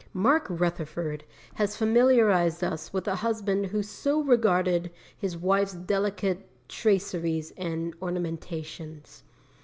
Mark Rutherford has familiarized us with a husband who so regarded his wife's delicate traceries and ornamentations.